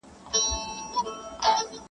• ستا د دې ښکلي ځوانیه سره علم ښه ښکارېږي,